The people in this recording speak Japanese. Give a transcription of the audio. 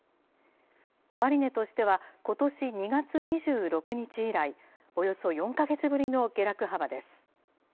終値としてはことし２月２６日以来、およそ４か月ぶりの下落幅です。